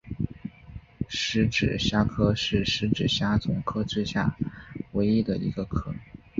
匙指虾科是匙指虾总科之下唯一的一个科。